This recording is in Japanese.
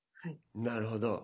なるほど。